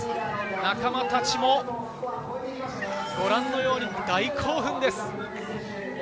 仲間たちもご覧のように大興奮です。